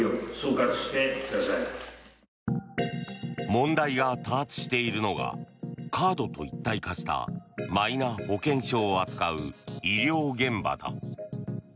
問題が多発しているのがカードと一体化したマイナ保険証を扱う医療現場だ。